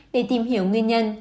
để tìm hiểu nguyên nhân